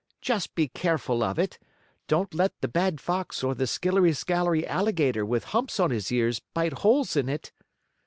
Just be careful of it. Don't let the bad fox or the skillery scalery alligator with humps on his ears bite holes in it."